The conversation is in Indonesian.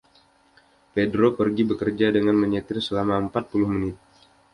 Pedro pergi bekerja dengan menyetir selama empat puluh menit.